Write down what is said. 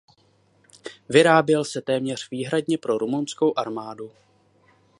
Vyráběl se téměř výhradně pro rumunskou armádu.